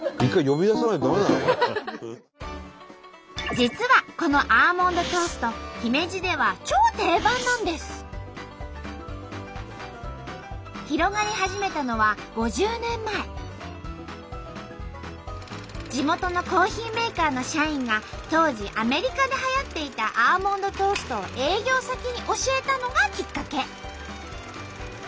実はこのアーモンドトースト広がり始めたのは地元のコーヒーメーカーの社員が当時アメリカではやっていたアーモンドトーストを営業先に教えたのがきっかけ。